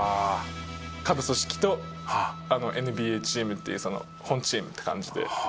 下部組織とＮＢＡチームっていうその本チームって感じで。